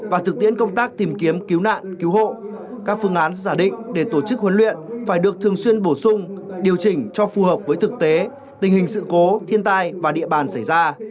và thực tiễn công tác tìm kiếm cứu nạn cứu hộ các phương án giả định để tổ chức huấn luyện phải được thường xuyên bổ sung điều chỉnh cho phù hợp với thực tế tình hình sự cố thiên tai và địa bàn xảy ra